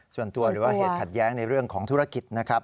หรือว่าเหตุขัดแย้งในเรื่องของธุรกิจนะครับ